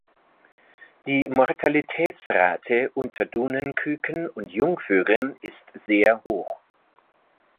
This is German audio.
Die Mortalitätsrate unter Dunenküken und Jungvögeln ist sehr hoch.